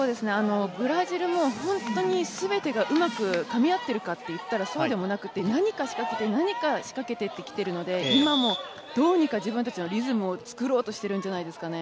ブラジルも本当に全てがうまくかみ合ってるかというとそうでもなくて、何か仕掛けて、何か仕掛けてってきてるので今もどうにか自分たちのリズムを作ろうとしているんじゃないですかね。